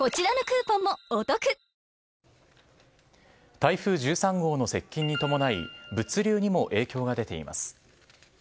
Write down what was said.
台風１３号の接近に伴い物流にも影響が出ています。